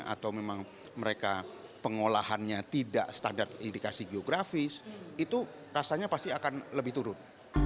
atau memang mereka pengolahannya tidak standar indikasi geografis itu rasanya pasti akan lebih turun